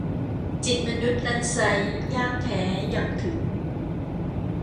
จิตมนุษย์นั้นไซร้ ยากแท้ หยั่งถึง